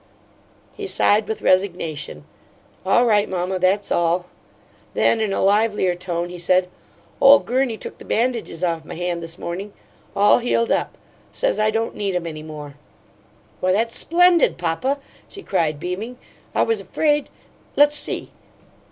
He sighed with resignation. "All right, mamma. That's all." Then, in a livelier tone, he said: "Ole Gurney took the bandages off my hand this morning. All healed up. Says I don't need 'em any more." "Why, that's splendid, papa!" she cried, beaming. "I was afraid Let's see."